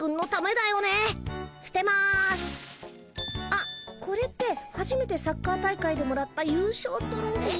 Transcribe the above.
あっこれってはじめてサッカー大会でもらった優勝トロフィー。